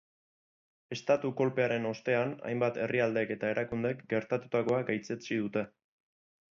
Estatu-kolpearen ostean hainbat herrialdek eta erakundek gertatutakoa gaitzetsi dute.